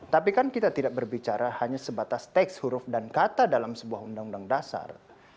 tapi kan kita tidak berbicara hanya sebatas teks huruf dan kata dalam sebuah undang undang dasar